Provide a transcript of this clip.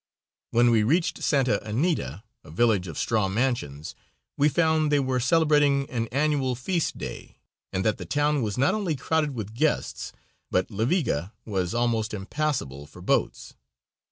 When we reached Santa Anita, a village of straw mansions, we found they were celebrating an annual feast day, and that the town was not only crowded with guests, but La Viga was almost impassable for boats.